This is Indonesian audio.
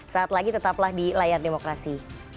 saat lagi tetaplah di layar demokrasi